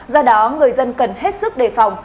do đó người dân cần hết sức đề phòng